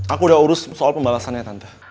aku udah urus soal pembalasannya tante